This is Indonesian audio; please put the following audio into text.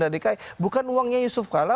dki bukan uangnya yusuf kala